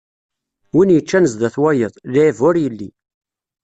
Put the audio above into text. Win yeččan zdat wayeḍ, lɛib ur yelli.